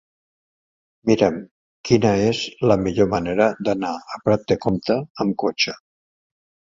Mira'm quina és la millor manera d'anar a Prat de Comte amb cotxe.